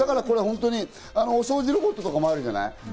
お掃除ロボットとかもあるじゃない？